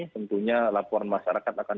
tentunya laporan masyarakat akan